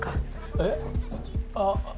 えっ？あっ。